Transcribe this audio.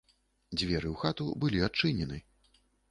Дзверы ў хату былі адчынены.